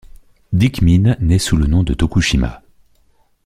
Dick Mine naît sous le nom le à Tokushima.